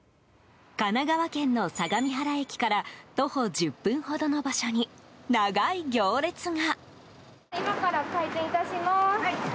神奈川県の相模原駅から徒歩１０分ほどの場所に長い行列が。